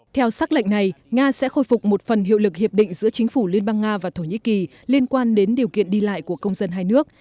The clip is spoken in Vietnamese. theo xác lệnh này nga sẽ khôi phục một phần hiệu lực hiệp định giữa chính phủ liên bang nga và thổ nhĩ kỳ liên quan đến điều kiện đi lại của công dân hai nước